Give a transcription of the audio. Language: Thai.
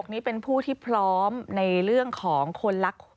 นี้เป็นผู้ที่พร้อมในเรื่องของคนรัก